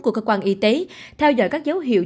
của cơ quan y tế theo dõi các dấu hiệu